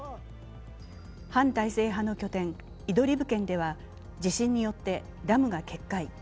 反体制派の拠点・イドリブ県では地震によってダムが決壊。